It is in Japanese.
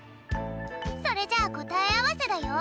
それじゃあこたえあわせだよ。